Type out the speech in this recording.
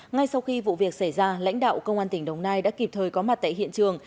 ngay sau khi vụ việc xảy ra lãnh đạo công an tỉnh đồng nai đã kịp thời có mặt tại hiện trường